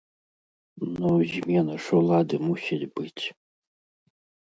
Ну, змена ж улады мусіць быць.